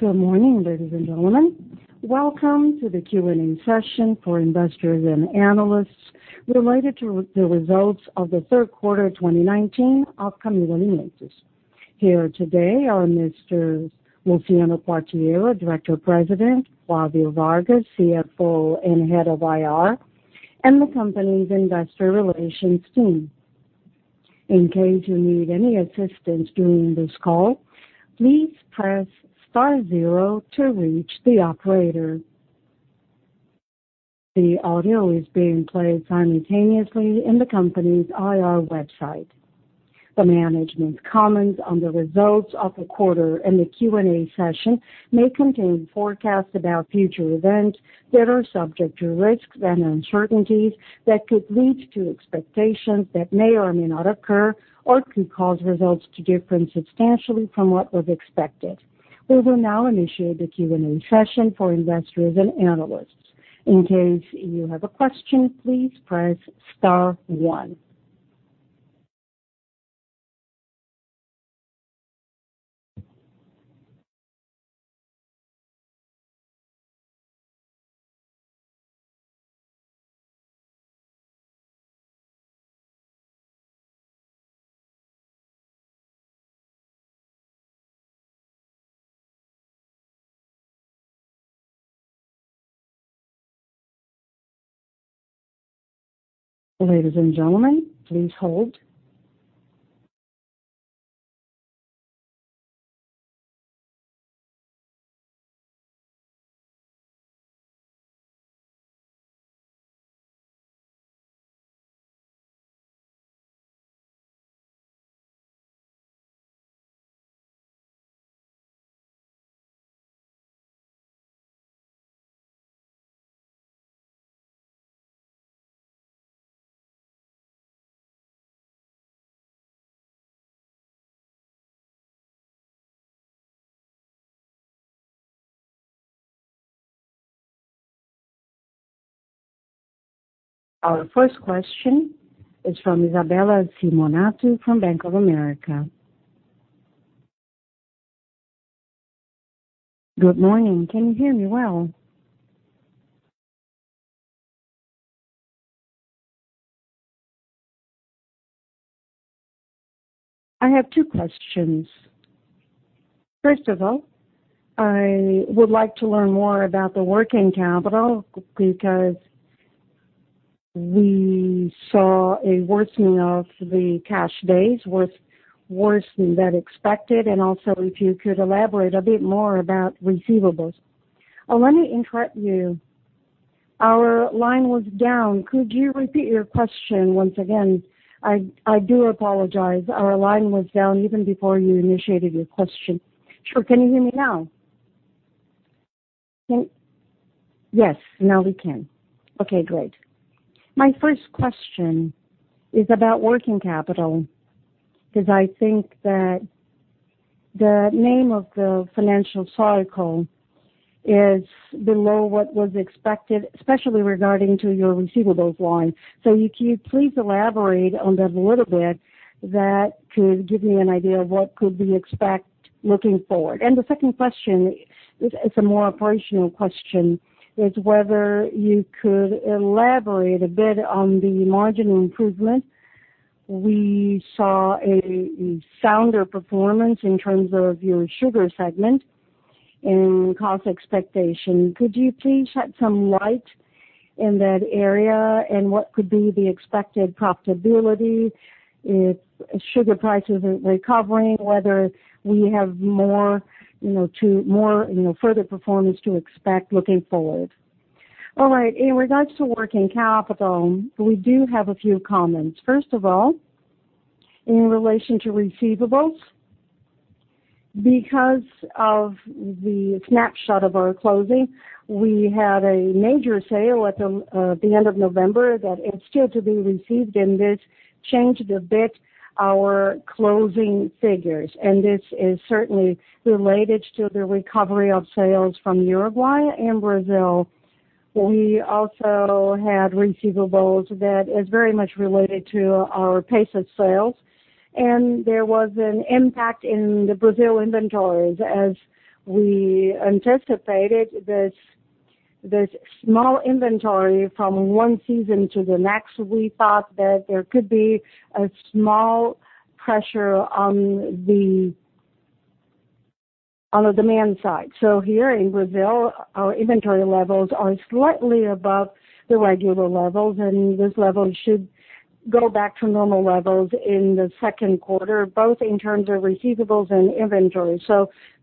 Good morning, ladies and gentlemen. Welcome to the Q&A session for investors and analysts related to the results of the third quarter 2019 of Camil Alimentos. Here today are Messrs. Luciano Quartiero, Diretor Presidente; Flavio Vargas, CFO and Head of IR; the company's investor relations team. In case you need any assistance during this call, please press star zero to reach the operator. The audio is being played simultaneously in the company's IR website. The management's comments on the results of the quarter and the Q&A session may contain forecasts about future events that are subject to risks and uncertainties that could lead to expectations that may or may not occur or could cause results to differ substantially from what was expected. We will now initiate the Q&A session for investors and analysts. In case you have a question, please press star one. Ladies and gentlemen, please hold. Our first question is from Isabella Simonato from Bank of America. Good morning. Can you hear me well? I have two questions. First of all, I would like to learn more about the working capital, because we saw a worsening of the cash days was worse than expected, and also if you could elaborate a bit more about receivables. Let me interrupt you. Our line was down. Could you repeat your question once again? I do apologize. Our line was down even before you initiated your question. Sure. Can you hear me now? Yes. Now we can. Okay, great. My first question is about working capital, because I think that the name of the financial cycle is below what was expected, especially regarding to your receivables line. Can you please elaborate on that a little bit, that could give me an idea of what could we expect looking forward. The second question is a more operational question, whether you could elaborate a bit on the margin improvement. We saw a sounder performance in terms of your sugar segment and cost expectation. Could you please shed some light in that area and what could be the expected profitability if sugar prices are recovering, whether we have further performance to expect looking forward? All right. In regards to working capital, we do have a few comments. First of all, in relation to receivables, because of the snapshot of our closing, we had a major sale at the end of November that is still to be received, and this changed a bit our closing figures. This is certainly related to the recovery of sales from Uruguay and Brazil. We also had receivables that is very much related to our pace of sales. There was an impact in the Brazil inventories. As we anticipated this small inventory from one season to the next, we thought that there could be a small pressure on the demand side. Here in Brazil, our inventory levels are slightly above the regular levels, and these levels should go back to normal levels in the second quarter, both in terms of receivables and inventory.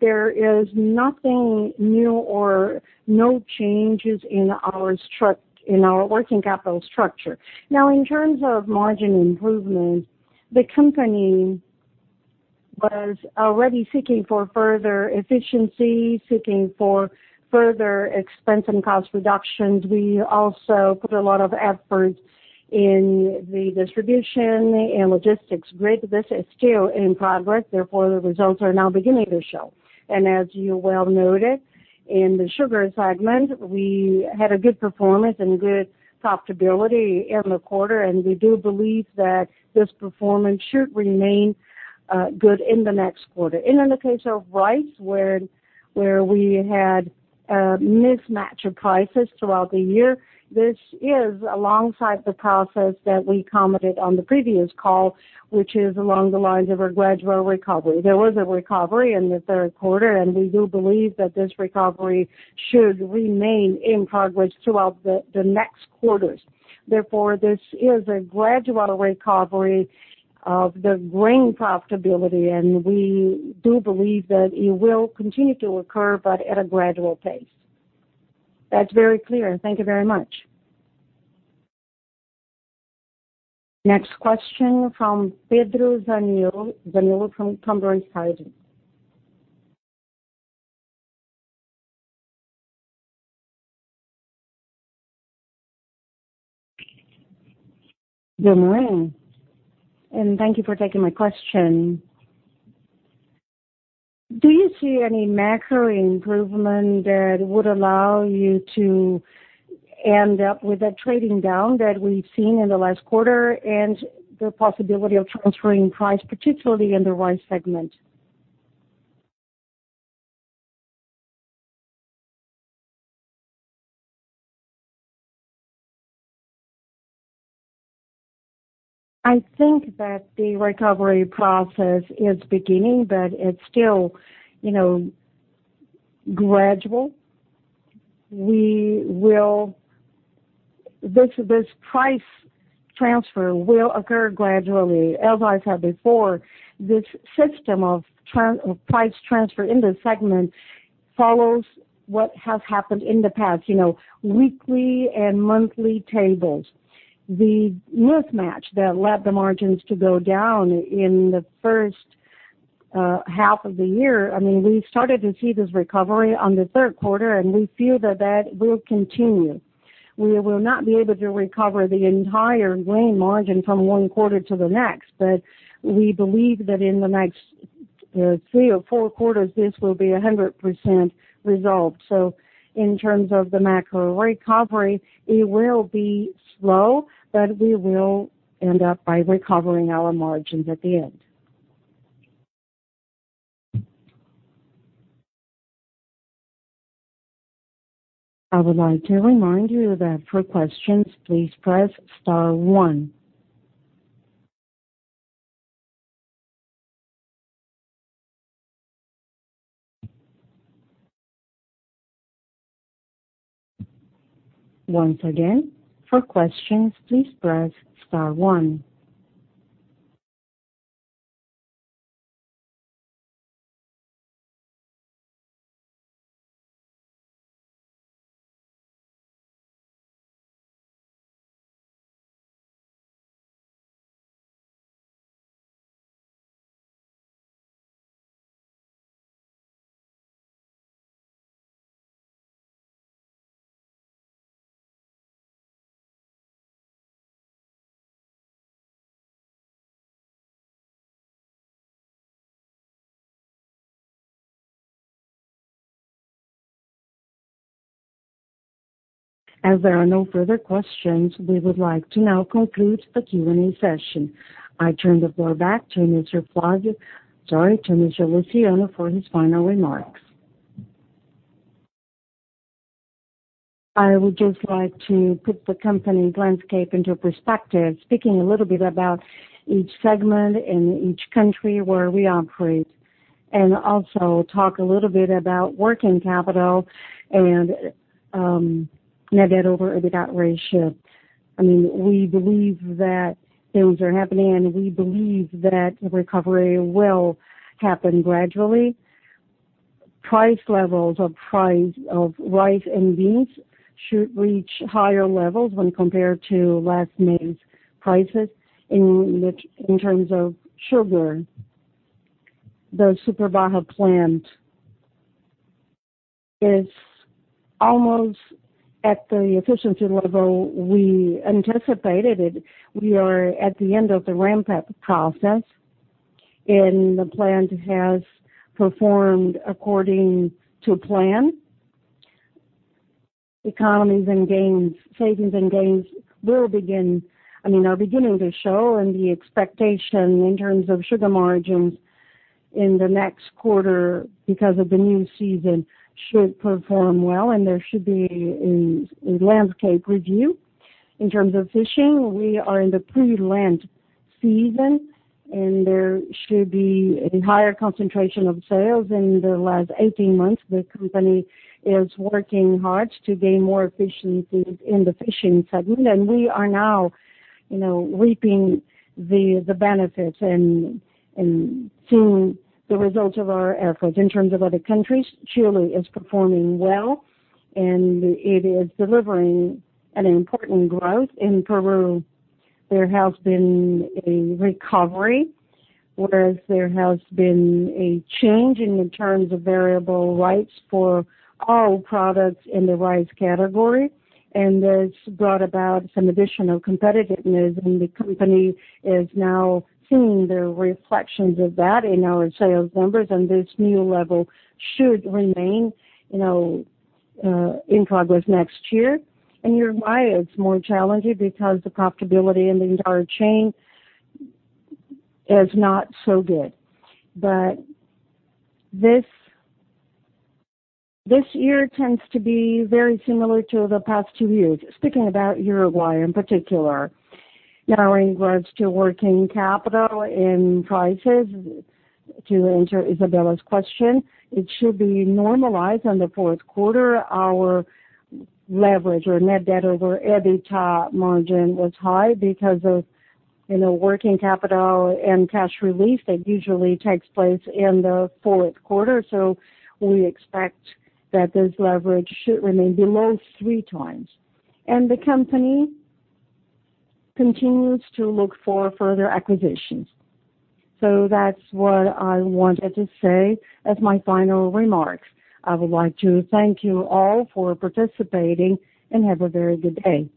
There is nothing new or no changes in our working capital structure. Now, in terms of margin improvement, the company was already seeking for further efficiency, seeking for further expense and cost reductions. We also put a lot of effort in the distribution and logistics grid. This is still in progress, therefore, the results are now beginning to show. As you well noted, in the sugar segment, we had a good performance and good profitability in the quarter, and we do believe that this performance should remain good in the next quarter. In the case of rice, where we had a mismatch of prices throughout the year. This is alongside the process that we commented on the previous call, which is along the lines of a gradual recovery. There was a recovery in the third quarter, and we do believe that this recovery should remain in progress throughout the next quarters. Therefore, this is a gradual recovery of the grain profitability, and we do believe that it will continue to occur, but at a gradual pace. That's very clear. Thank you very much. Next question from Pedro Zaniolo from Condor Insider. Good morning, and thank you for taking my question. Do you see any macro improvement that would allow you to end up with that trading down that we've seen in the last quarter and the possibility of transferring price, particularly in the rice segment? I think that the recovery process is beginning, but it's still gradual. This price transfer will occur gradually. As I said before, this system of price transfer in this segment follows what has happened in the past, weekly and monthly tables. The mismatch that led the margins to go down in the first half of the year, we've started to see this recovery on the third quarter, and we feel that that will continue. We will not be able to recover the entire grain margin from one quarter to the next, but we believe that in the next three or four quarters, this will be 100% resolved. In terms of the macro recovery, it will be slow, but we will end up by recovering our margins at the end. I would like to remind you that for questions, please press star one. Once again, for questions, please press star one. As there are no further questions, we would like to now conclude the Q&A session. I turn the floor back to Mr. Luciano for his final remarks. I would just like to put the company landscape into perspective, speaking a little bit about each segment in each country where we operate, and also talk a little bit about working capital and Net Debt/EBITDA ratio. We believe that things are happening, and we believe that recovery will happen gradually. Price levels of rice and beans should reach higher levels when compared to last May's prices. In terms of sugar, the Super Barra plant is almost at the efficiency level we anticipated. We are at the end of the ramp-up process, and the plant has performed according to plan. Economies and gains, savings and gains are beginning to show. The expectation in terms of sugar margins in the next quarter, because of the new season, should perform well. There should be a landscape review. In terms of fishing, we are in the pre-Lent season. There should be a higher concentration of sales. In the last 18 months, the company is working hard to gain more efficiency in the fishing segment. We are now reaping the benefits and seeing the results of our efforts. In terms of other countries, Chile is performing well. It is delivering an important growth. In Peru, there has been a recovery, whereas there has been a change in terms of variable rates for all products in the rice category, and that's brought about some additional competitiveness, and the company is now seeing the reflections of that in our sales numbers, and this new level should remain in progress next year. In Uruguay, it's more challenging because the profitability in the entire chain is not so good. This year tends to be very similar to the past two years, speaking about Uruguay in particular. Now, in regards to working capital and prices, to answer Isabella's question, it should be normalized on the fourth quarter. Our leverage or Net Debt/EBITDA margin was high because of working capital and cash release that usually takes place in the fourth quarter. We expect that this leverage should remain below 3 times. The company continues to look for further acquisitions. That's what I wanted to say as my final remarks. I would like to thank you all for participating, and have a very good day.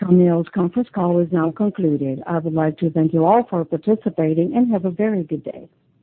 Camil's conference call is now concluded. I would like to thank you all for participating, and have a very good day.